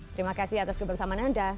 terima kasih atas kebersamaan anda